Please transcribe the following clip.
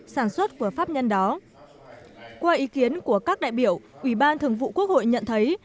sản xuất của pháp nhân đó qua ý kiến của các đại biểu ủy ban thường vụ quốc hội nhận thấy